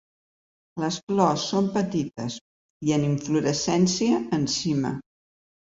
Les flors són petites i en inflorescència en cima.